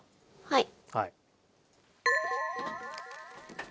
はい。